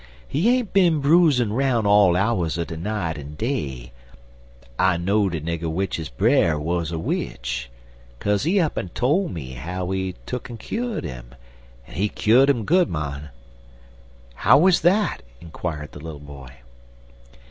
"He ain't bin broozin' roun' all hours er de night en day. I know'd a nigger w'ich his brer wuz a witch, kaze he up'n tole me how he tuck'n kyo'd 'im; en he kyo'd 'im good, mon." "How was that?" inquired the little boy.